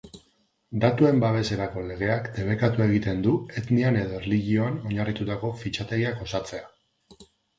Datuen babeserako legeak debekatu egiten du etnian edo erlijioan oinarritutako fitxategiak osatzea.